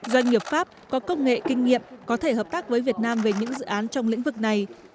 doanh nghiệp pháp có công nghệ kinh nghiệm có thể hợp tác với việt nam về những dự án trong lĩnh vực này